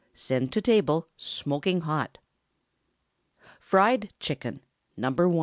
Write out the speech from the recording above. Send to table smoking hot. FRIED CHICKEN (No. 1).